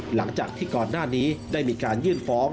หลังจากที่ก่อนหน้านี้ได้มีการยื่นฟ้อง